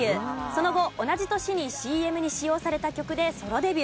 その後同じ年にＣＭに使用された曲でソロデビュー。